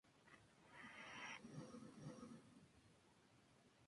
Obtuvo varios premios en las Exposiciones de La Coruña y de Cádiz.